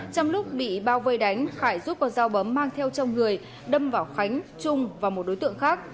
trong lúc bị bao vây đánh khải rút con dao bấm mang theo trong người đâm vào khánh trung và một đối tượng khác